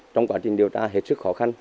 trong quá trình điều tra hết sức khó khăn